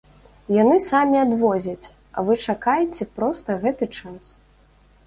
Яны самі адвозяць, а вы чакаеце проста гэты час.